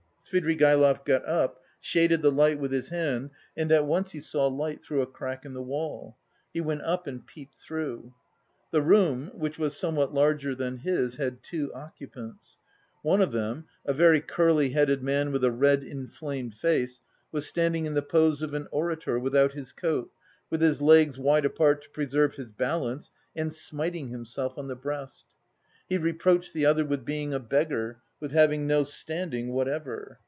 Svidrigaïlov got up, shaded the light with his hand and at once he saw light through a crack in the wall; he went up and peeped through. The room, which was somewhat larger than his, had two occupants. One of them, a very curly headed man with a red inflamed face, was standing in the pose of an orator, without his coat, with his legs wide apart to preserve his balance, and smiting himself on the breast. He reproached the other with being a beggar, with having no standing whatever.